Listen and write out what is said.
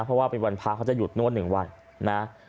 เพราะว่าเป็นวันพระเขาจะหยุดนวด๑วันนะ